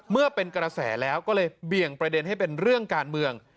เมื่อเป็นกระแสแล้วก็เลยเบี่ยงประเด็นให้เป็นเรื่องการเมือง